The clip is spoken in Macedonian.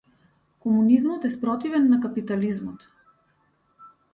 Комунизмот е спротивен на капитализмот.